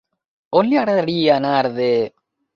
On li agradaria anar de...?